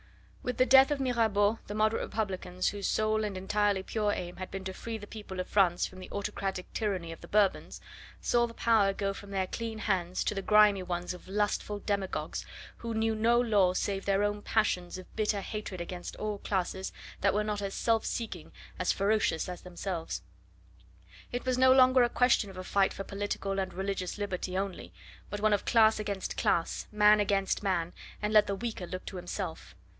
With the death of Mirabeau the moderate Republicans, whose sole and entirely pure aim had been to free the people of France from the autocratic tyranny of the Bourbons, saw the power go from their clean hands to the grimy ones of lustful demagogues, who knew no law save their own passions of bitter hatred against all classes that were not as self seeking, as ferocious as themselves. It was no longer a question of a fight for political and religious liberty only, but one of class against class, man against man, and let the weaker look to himself.